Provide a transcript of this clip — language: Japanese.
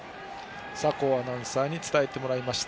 酒匂アナウンサーに伝えてもらいました。